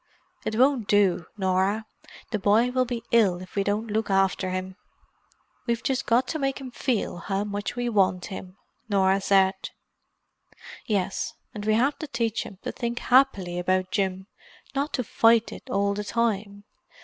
It won't do, Norah: the boy will be ill if we don't look after him." "We've just got to make him feel how much we want him," Norah said. "Yes. And we have to teach him to think happily about Jim—not to fight it all the time.